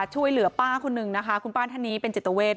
ช่วยเหลือป้าคนนึงนะคะคุณป้าท่านนี้เป็นจิตเวท